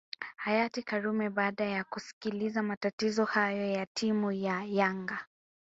hayati karume baada ya kusikiliza matatizo hayo ya timu ya yanga